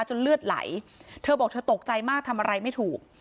เลือดไหลเธอบอกเธอตกใจมากทำอะไรไม่ถูก